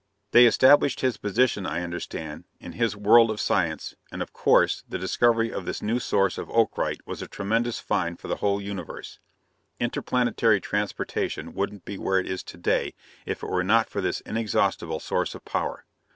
They established his position, I understand, in his world of science, and of course, the discovery of this new source of ocrite was a tremendous find for the whole Universe; interplanetary transportation wouldn't be where it is to day if it were not for this inexhaustible source of power.